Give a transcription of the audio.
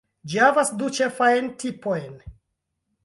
Ĝi havas du ĉefajn tipojn.